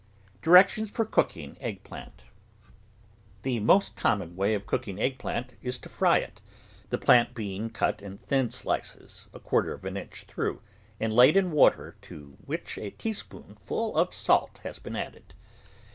DIRECTIONS FOR COOKING EGG PLANT The most common way of cooking egg plant is to fry it, the plant being cut in thin slices, a quarter of an inch through, and laid in water to which a teaspoonful of salt has been added.